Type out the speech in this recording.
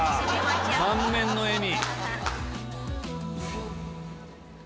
満面の笑み！